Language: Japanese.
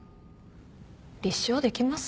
立証できます？